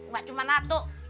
gak cuma natuk